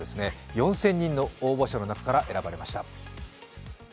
４０００人の応募者の中から選ばれました。